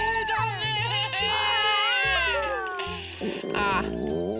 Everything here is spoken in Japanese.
ああ。